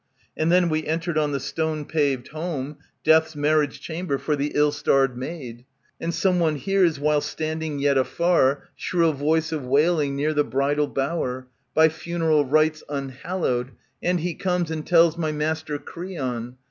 And then we entered on the stone paved home, Death^s marriage chamber for the ill starred maid. And some one hears, while standing yet afar, Shrill voice of wailing near the bridal bower. By funeral rites unhallowed, and he comes And tells my master, Creon.